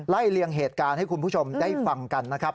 เลี่ยงเหตุการณ์ให้คุณผู้ชมได้ฟังกันนะครับ